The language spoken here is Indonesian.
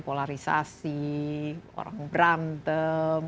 polarisasi orang berantem